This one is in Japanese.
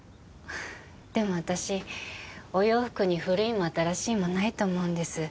でも私お洋服に古いも新しいもないと思うんです。